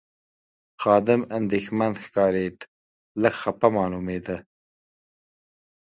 خادم اندېښمن ښکارېد، لږ خپه معلومېده.